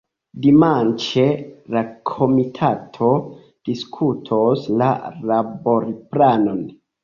Dimanĉe la komitato diskutos la laborplanon.